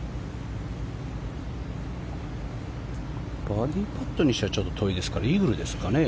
バーディーパットにしてはちょっと遠いですからイーグルですかね。